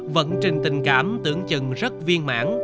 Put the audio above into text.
vận trình tình cảm tưởng chừng rất viên mãn